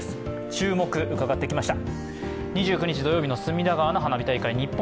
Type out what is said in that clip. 注目、伺ってきました。